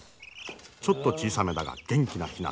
ちょっと小さめだが元気なヒナだ。